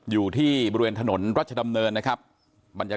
อยู่ที่บริเวณถนนรัชดำเนินนะครับบรรยากาศ